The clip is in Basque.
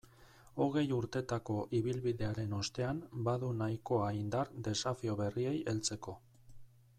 Hogei urtetako ibilbidearen ostean, badu nahikoa indar desafio berriei heltzeko.